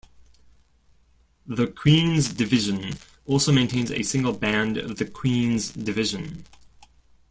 The Queen's Division also maintains a single Band of the Queen's Division.